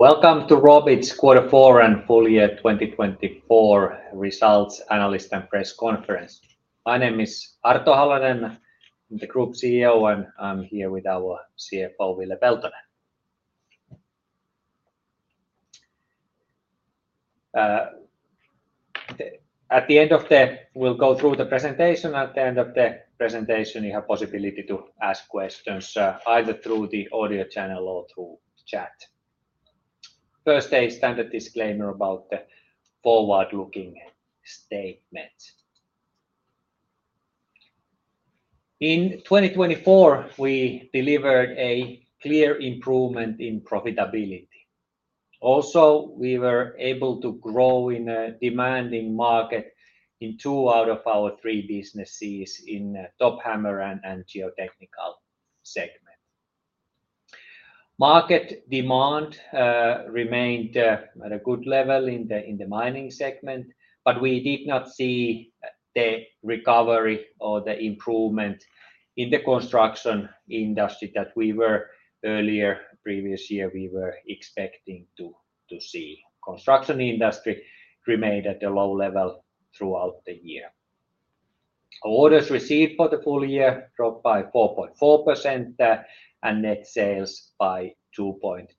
Welcome to Robit's Q4 and full year 2024 results analyses and press conference. My name is Arto Halonen, the Group CEO, and I'm here with our CFO, Ville Peltonen. At the end of the, we'll go through the presentation. At the end of the presentation, you have the possibility to ask questions either through the audio channel or through chat. First, a standard disclaimer about the forward-looking statement. In 2024, we delivered a clear improvement in profitability. Also, we were able to grow in a demanding market in two out of our three businesses in the Top Hammer and Geotechnical segment. Market demand remained at a good level in the mining segment, but we did not see the recovery or the improvement in the construction industry that we were earlier previous year we were expecting to see. Construction industry remained at a low level throughout the year. Orders received for the full year dropped by 4.4%, and net sales by 2.8%.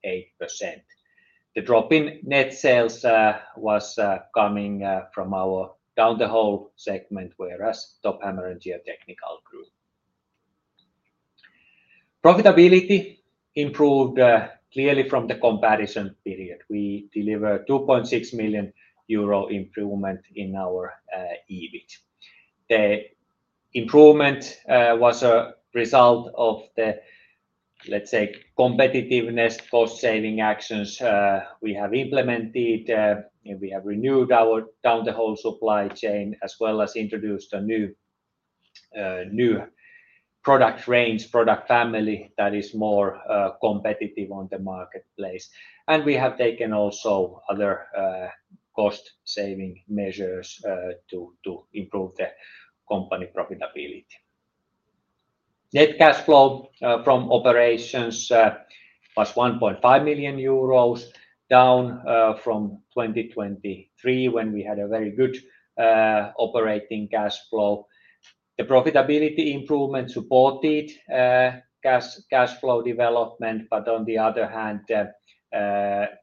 The drop in net sales was coming from our Down the Hole segment, whereas Top Hammer and Geotechnical grew. Profitability improved clearly from the comparison period. We delivered a 2.6 million euro improvement in our EBIT. The improvement was a result of the, let's say, competitiveness, cost-saving actions we have implemented. We have renewed our Down the Hole supply chain as well as introduced a new product range, product family that is more competitive on the marketplace. We have taken also other cost-saving measures to improve the company profitability. Net cash flow from operations was 1.5 million euros, down from 2023 when we had a very good operating cash flow. The profitability improvement supported cash flow development, but on the other hand,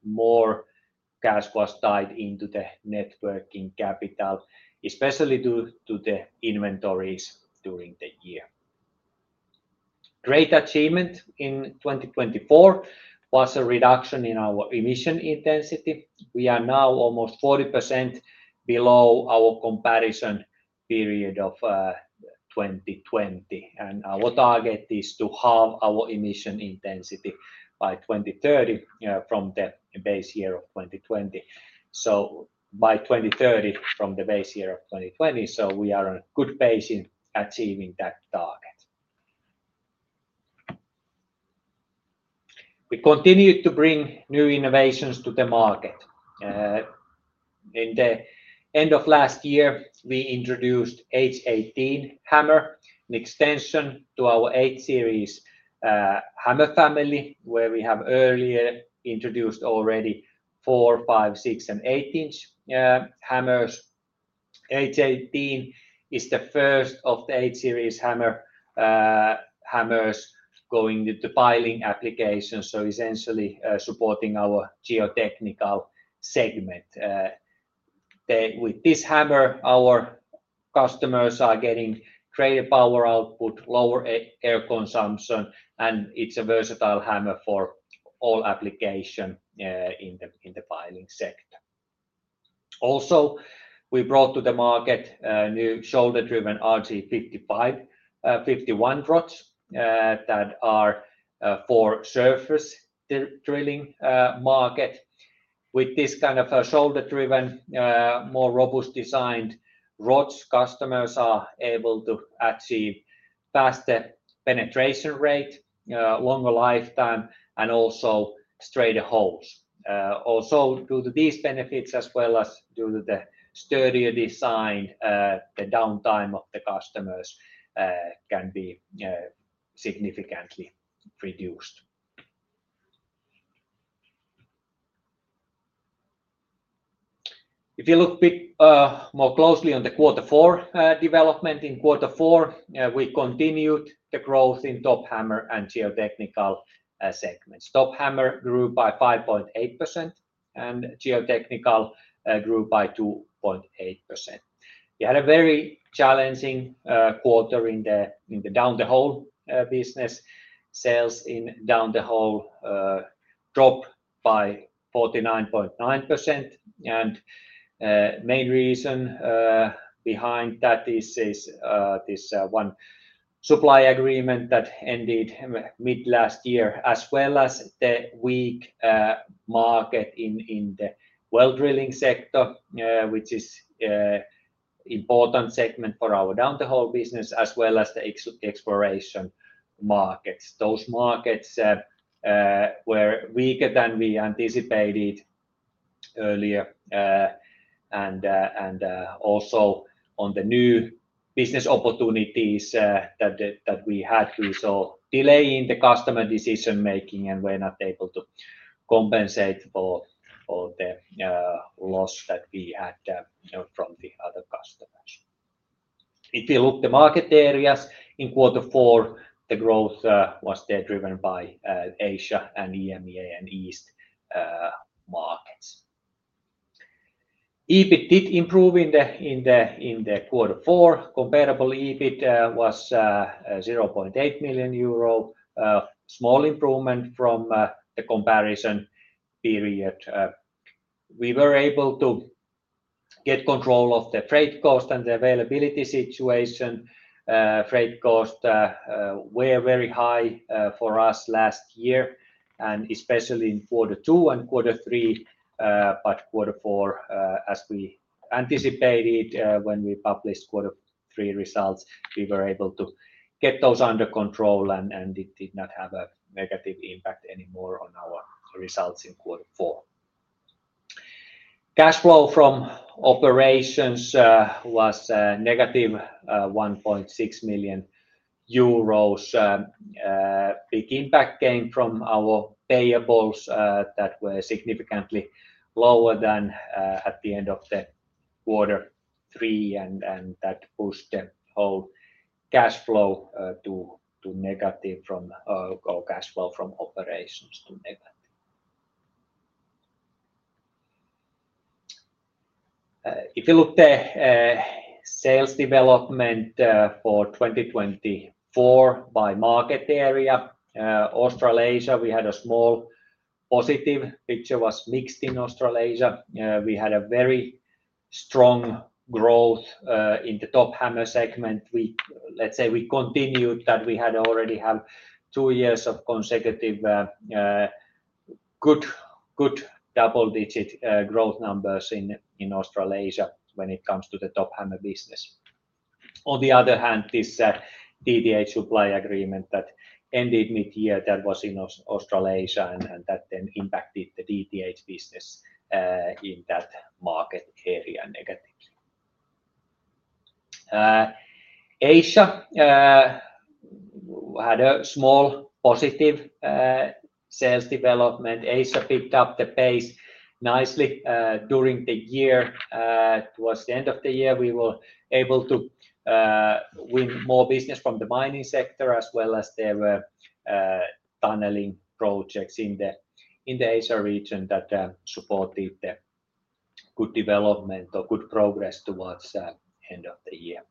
more cash was tied into the net working capital, especially to the inventories during the year. Great achievement in 2024 was a reduction in our emission intensity. We are now almost 40% below our comparison period of 2020. Our target is to halve our emission intensity by 2030 from the base year of 2020. By 2030, from the base year of 2020, we are on a good pace in achieving that target. We continue to bring new innovations to the market. In the end of last year, we introduced H18 hammer, an extension to our H series hammer family, where we have earlier introduced already four, five, six, and eight inch hammers. H18 is the first of the H series hammers going into piling application, essentially supporting our geotechnical segment. With this hammer, our customers are getting greater power output, lower air consumption, and it's a versatile hammer for all applications in the piling sector. Also, we brought to the market new shoulder-driven RG51 rods that are for surface drilling market. With this kind of shoulder-driven, more robust designed rods, customers are able to achieve faster penetration rate, longer lifetime, and also straighter holes. Also, due to these benefits, as well as due to the sturdier design, the downtime of the customers can be significantly reduced. If you look more closely on the Q4 development, in Q4, we continued the growth in top hammer and geotechnical segments. Top hammer grew by 5.8%, and geotechnical grew by 2.8%. We had a very challenging quarter in the down the hole business. Sales in down the hole dropped by 49.9%. The main reason behind that is this one supply agreement that ended mid last year, as well as the weak market in the well drilling sector, which is an important segment for our down the hole business, as well as the exploration markets. Those markets were weaker than we anticipated earlier. Also on the new business opportunities that we had, we saw a delay in the customer decision-making and were not able to compensate for the loss that we had from the other customers. If you look at the market areas in Q4, the growth was driven by Asia and EMEA and East markets. EBIT did improve in Q4. Comparable EBIT was 0.8 million euro, a small improvement from the comparison period. We were able to get control of the freight cost and the availability situation. Freight costs were very high for us last year, and especially in Q2 and Q3. In Q4, as we anticipated when we published Q3 results, we were able to get those under control, and it did not have a negative impact anymore on our results in Q4. Cash flow from operations was negative, 1.6 million euros. Big impact came from our payables that were significantly lower than at the end of Q3, and that pushed the whole cash flow from operations to negative. If you look at sales development for 2024 by market area, Australasia, we had a small positive which was mixed in Australasia. We had very strong growth in the top hammer segment. Let's say we continued that. We had already had two years of consecutive good double-digit growth numbers in Australasia when it comes to the top hammer business. On the other hand, this DTH supply agreement that ended mid-year that was in Australasia, and that then impacted the DTH business in that market area negatively. Asia had a small positive sales development. Asia picked up the pace nicely during the year. Towards the end of the year, we were able to win more business from the mining sector, as well as there were tunneling projects in the Asia region that supported the good development or good progress towards the end of the year.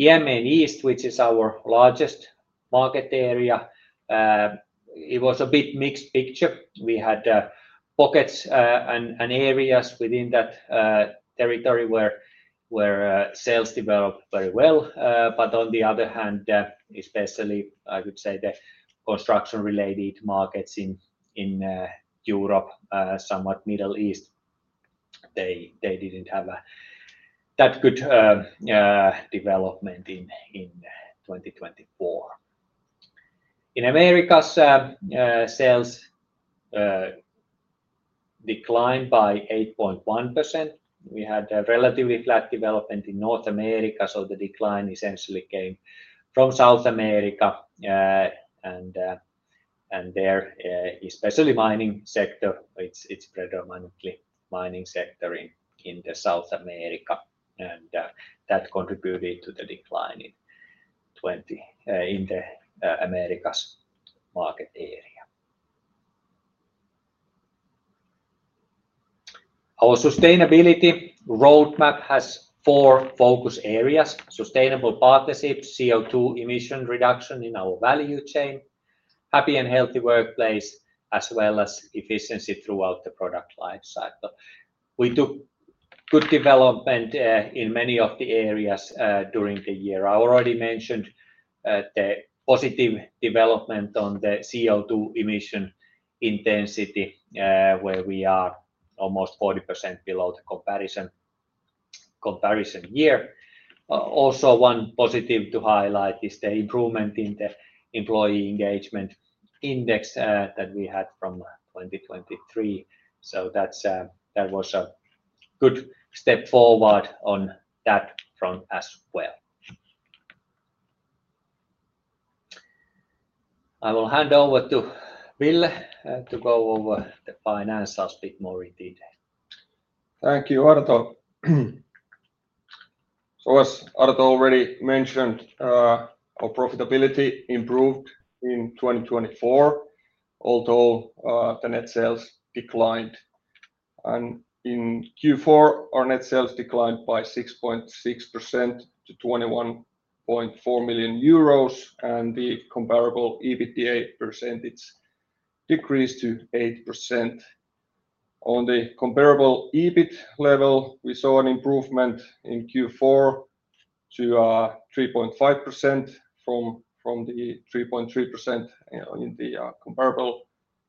EMEA and East, which is our largest market area, it was a bit mixed picture. We had pockets and areas within that territory where sales developed very well. On the other hand, especially I would say the construction-related markets in Europe, somewhat Middle East, they did not have that good development in 2024. In America, sales declined by 8.1%. We had a relatively flat development in North America, so the decline essentially came from South America. There, especially mining sector, it's predominantly mining sector in South America. That contributed to the decline in the Americas market area. Our sustainability roadmap has four focus areas: sustainable partnerships, CO2 emission reduction in our value chain, happy and healthy workplace, as well as efficiency throughout the product lifecycle. We took good development in many of the areas during the year. I already mentioned the positive development on the CO2 emission intensity, where we are almost 40% below the comparison year. Also, one positive to highlight is the improvement in the employee engagement index that we had from 2023. That was a good step forward on that front as well. I will hand over to Ville to go over the financials a bit more in detail. Thank you, Arto. As Arto already mentioned, our profitability improved in 2024, although the net sales declined. In Q4, our net sales declined by 6.6% to 21.4 million euros, and the comparable EBITDA percentage decreased to 8%. On the comparable EBIT level, we saw an improvement in Q4 to 3.5% from the 3.3% in the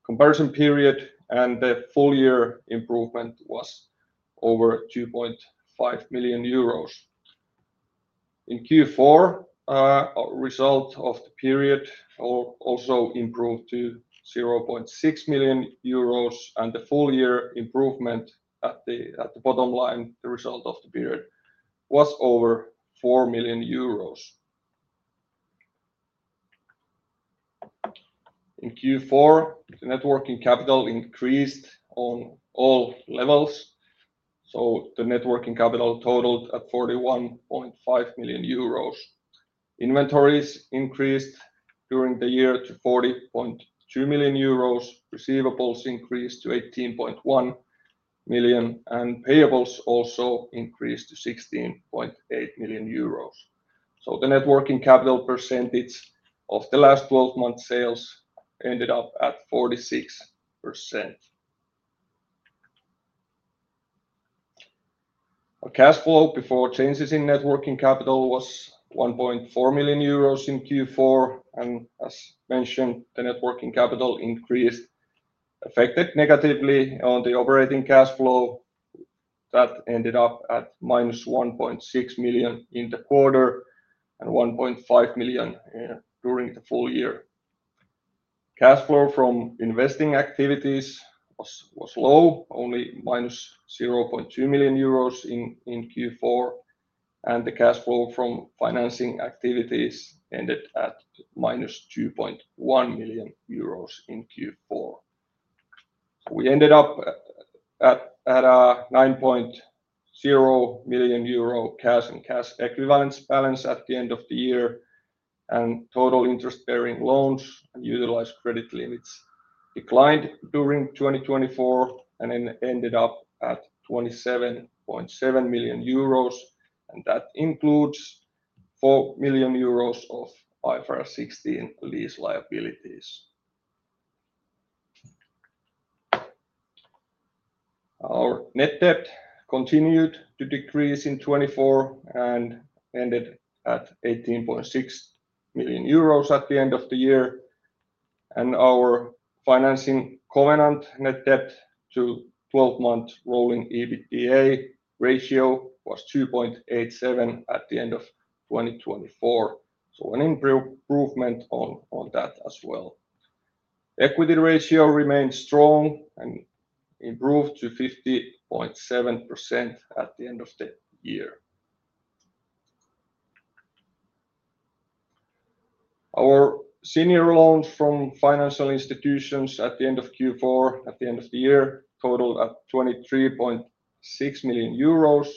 comparison period, and the full year improvement was over 2.5 million euros. In Q4, our result of the period also improved to 0.6 million euros, and the full year improvement at the bottom line, the result of the period, was over 4 million euros. In Q4, the net working capital increased on all levels, so the net working capital totaled at 41.5 million euros. Inventories increased during the year to 40.2 million euros, receivables increased to 18.1 million, and payables also increased to 16.8 million euros. The net working capital percentage of the last 12 months' sales ended up at 46%. Our cash flow before changes in net working capital was 1.4 million euros in Q4, and as mentioned, the net working capital increase affected negatively on the operating cash flow. That ended up at minus 1.6 million in the quarter and 1.5 million during the full year. Cash flow from investing activities was low, only minus 0.2 million euros in Q4, and the cash flow from financing activities ended at minus 2.1 million euros in Q4. We ended up at a 9.0 million euro cash and cash equivalents balance at the end of the year, and total interest-bearing loans and utilized credit limits declined during 2024 and ended up at 27.7 million euros, and that includes 4 million euros of IFRS 16 lease liabilities. Our net debt continued to decrease in 2024 and ended at 18.6 million euros at the end of the year, and our financing covenant net debt to 12-month rolling EBITDA ratio was 2.87 at the end of 2024, an improvement on that as well. Equity ratio remained strong and improved to 50.7% at the end of the year. Our senior loans from financial institutions at the end of Q4, at the end of the year, totaled 23.6 million euros,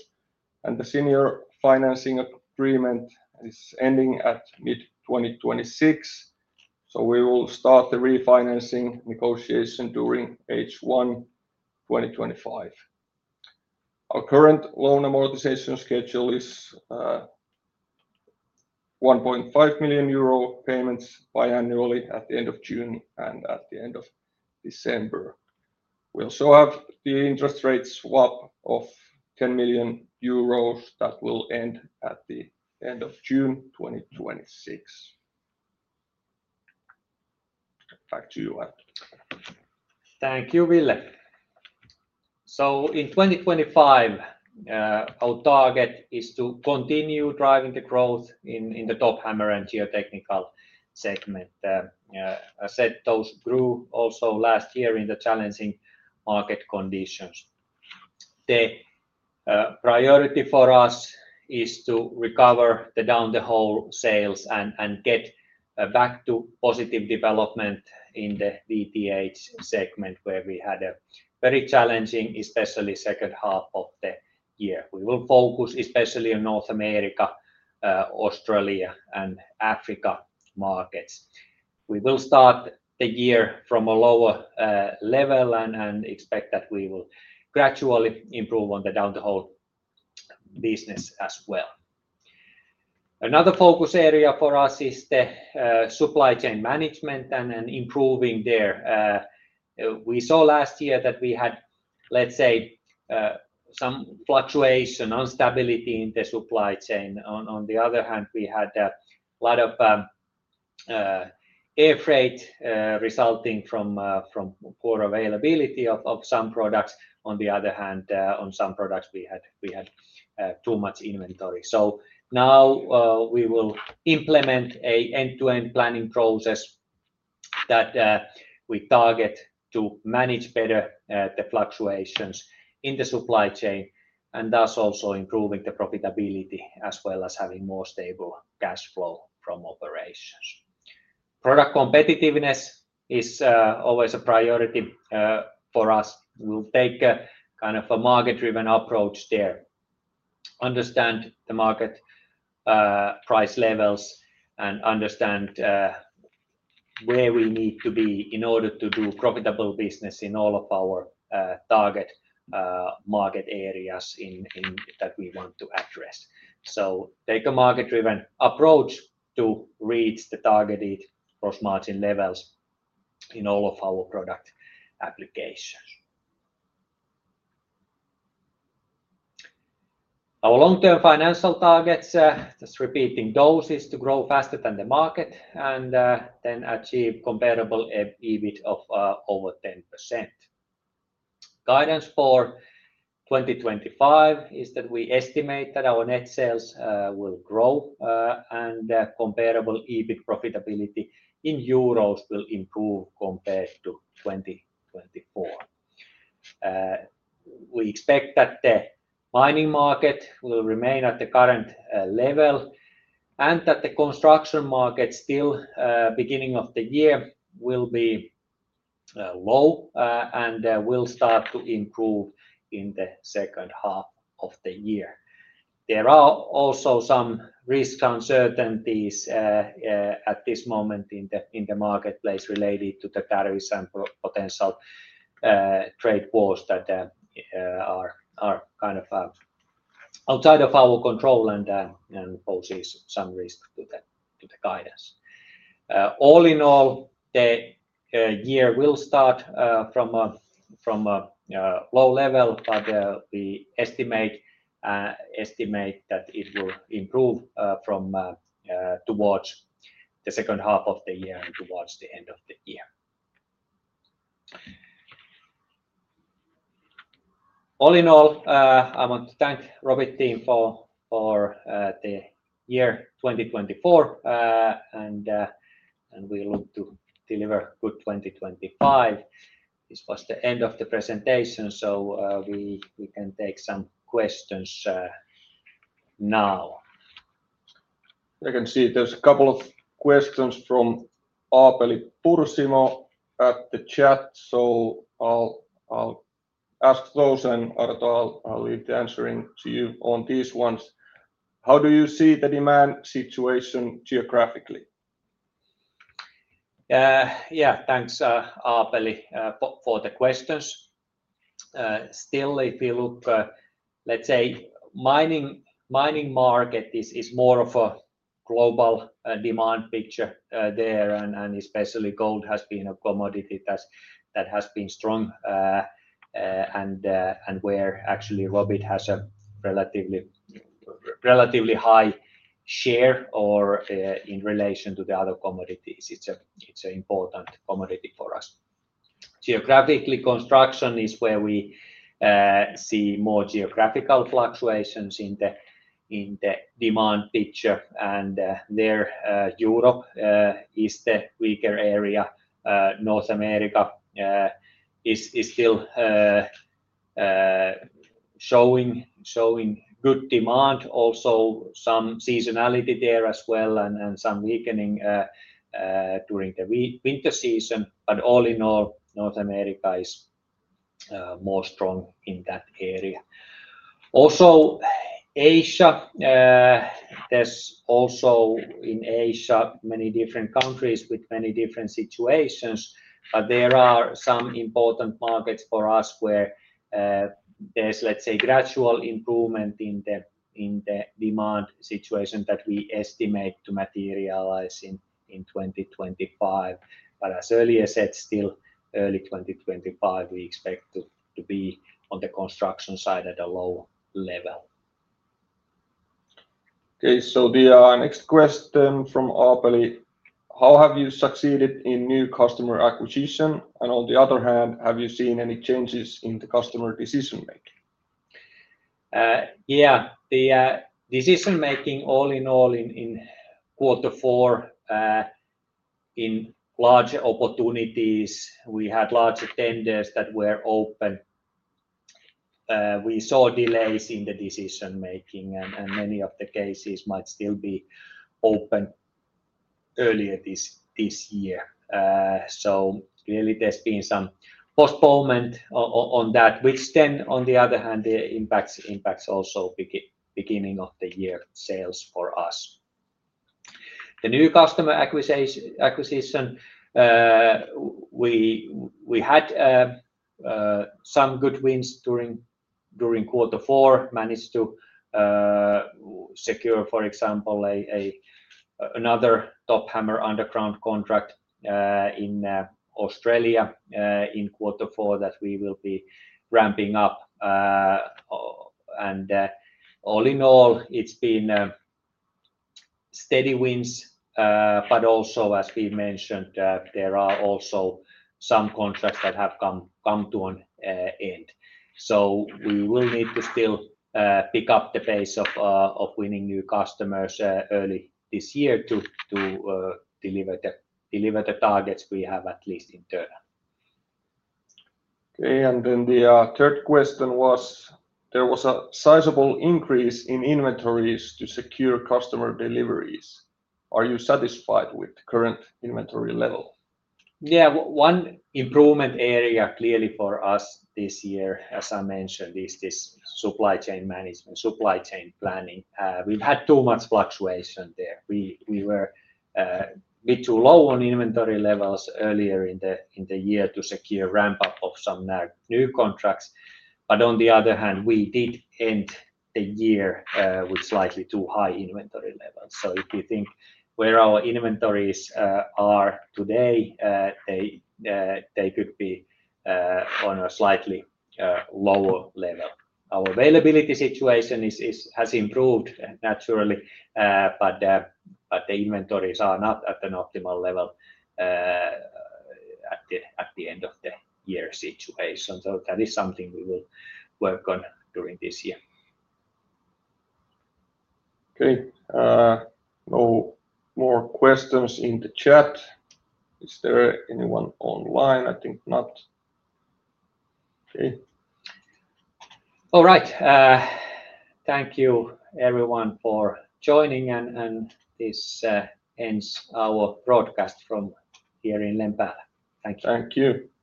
and the senior financing agreement is ending at mid-2026, so we will start the refinancing negotiation during H1 2025. Our current loan amortization schedule is 1.5 million euro payments biannually at the end of June and at the end of December. We also have the interest rate swap of 10 million euros that will end at the end of June 2026. Back to you, Arto. Thank you, Ville. In 2025, our target is to continue driving the growth in the top hammer and geotechnical segment. As I said, those grew also last year in the challenging market conditions. The priority for us is to recover the down the hole sales and get back to positive development in the DTH segment, where we had a very challenging, especially second half of the year. We will focus especially on North America, Australia, and Africa markets. We will start the year from a lower level and expect that we will gradually improve on the down the hole business as well. Another focus area for us is the supply chain management and improving there. We saw last year that we had, let's say, some fluctuation, instability in the supply chain. On the other hand, we had a lot of air freight resulting from poor availability of some products. On the other hand, on some products, we had too much inventory. Now we will implement an end-to-end planning process that we target to manage better the fluctuations in the supply chain and thus also improving the profitability as well as having more stable cash flow from operations. Product competitiveness is always a priority for us. We'll take kind of a market-driven approach there, understand the market price levels, and understand where we need to be in order to do profitable business in all of our target market areas that we want to address. Take a market-driven approach to reach the targeted gross margin levels in all of our product applications. Our long-term financial targets, just repeating those, is to grow faster than the market and then achieve comparable EBIT of over 10%. Guidance for 2025 is that we estimate that our net sales will grow and comparable EBIT profitability in euros will improve compared to 2024. We expect that the mining market will remain at the current level and that the construction market still, beginning of the year, will be low and will start to improve in the second half of the year. There are also some risk uncertainties at this moment in the marketplace related to the tariffs and potential trade wars that are kind of outside of our control and pose some risk to the guidance. All in all, the year will start from a low level, but we estimate that it will improve towards the second half of the year and towards the end of the year. All in all, I want to thank Robit Team for the year 2024, and we look to deliver good 2025. This was the end of the presentation, so we can take some questions now. I can see there's a couple of questions from Aapeli Pursimo at the chat, so I'll ask those, and Arto, I'll leave the answering to you on these ones. How do you see the demand situation geographically? Yeah, thanks, Aapeli, for the questions. Still, if you look, let's say, mining market is more of a global demand picture there, and especially gold has been a commodity that has been strong, and where actually Robit has a relatively high share in relation to the other commodities. It's an important commodity for us. Geographically, construction is where we see more geographical fluctuations in the demand picture, and there Europe is the weaker area. North America is still showing good demand, also some seasonality there as well, and some weakening during the winter season. All in all, North America is more strong in that area. Also, Asia, there's also in Asia many different countries with many different situations, but there are some important markets for us where there's, let's say, gradual improvement in the demand situation that we estimate to materialize in 2025. As earlier said, still early 2025, we expect to be on the construction side at a low level. Okay, the next question from Aapeli. How have you succeeded in new customer acquisition? On the other hand, have you seen any changes in the customer decision-making? Yeah, the decision-making all in all in quarter four, in larger opportunities, we had larger tenders that were open. We saw delays in the decision-making, and many of the cases might still be open earlier this year. Clearly, there's been some postponement on that, which then, on the other hand, impacts also beginning of the year sales for us. The new customer acquisition, we had some good wins during quarter four, managed to secure, for example, another top hammer underground contract in Australia in quarter four that we will be ramping up. All in all, it's been steady wins, but also, as we mentioned, there are also some contracts that have come to an end. We will need to still pick up the pace of winning new customers early this year to deliver the targets we have at least internal. Okay, the third question was, there was a sizable increase in inventories to secure customer deliveries. Are you satisfied with the current inventory level? Yeah, one improvement area clearly for us this year, as I mentioned, is this supply chain management, supply chain planning. We've had too much fluctuation there. We were a bit too low on inventory levels earlier in the year to secure ramp-up of some new contracts. On the other hand, we did end the year with slightly too high inventory levels. If you think where our inventories are today, they could be on a slightly lower level. Our availability situation has improved naturally, but the inventories are not at an optimal level at the end of the year situation. That is something we will work on during this year. Okay, no more questions in the chat. Is there anyone online? I think not. Okay. All right. Thank you, everyone, for joining, and this ends our broadcast from here in Lempäälä. Thank you. Thank you.